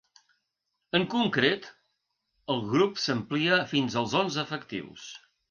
En concret, el grup s’àmplia fins als onze efectius.